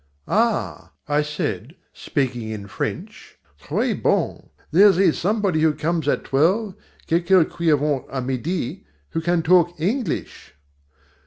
"Ah!" I said, speaking in French, "très bong! there is somebody who comes at twelve, quelqu'un qui vient à midi, who can talk English."